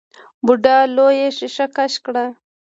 بوډا لويه ښېښه کش کړه.